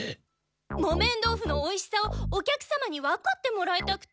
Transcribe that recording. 木綿豆腐のおいしさをお客様にわかってもらいたくて。